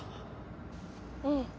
うん。